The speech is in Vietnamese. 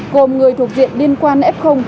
gồm người thuộc diện liên quan f